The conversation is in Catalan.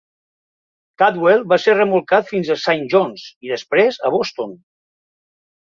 "Caldwell" va ser remolcat fins a Saint John's i després a Boston.